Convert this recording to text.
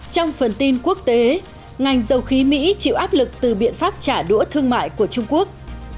trong phần tin quốc tế ngành dầu khí mỹ chịu áp lực từ biện pháp trả đũa thương mại của trung quốc